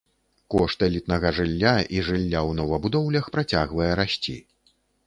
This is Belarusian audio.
Кошт элітнага жылля і жылля ў новабудоўлях працягвае расці.